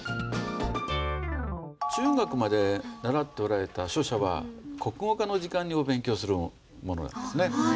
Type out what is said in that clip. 中学まで習っておられた書写は国語科の時間にお勉強するものなんですね。